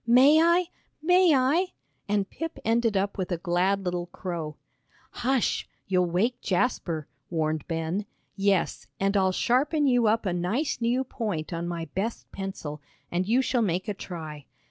"May I? May I?" and Pip ended up with a glad little crow. "Hush! You'll wake Jasper," warned Ben. "Yes, and I'll sharpen you up a nice new point on my best pencil, and you shall make a try.